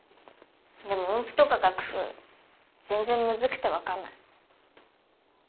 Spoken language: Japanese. でも音符とか楽譜全然むずくて分かんない。